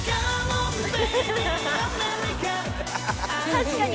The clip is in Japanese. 確かに！